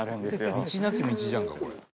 「道なき道じゃんかこれ」